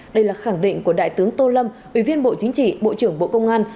đây là khẳng định của đại tướng tô lâm ủy viên bộ chính trị bộ trưởng bộ công an